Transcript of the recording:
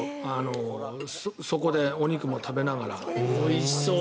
そこでお肉も食べながら。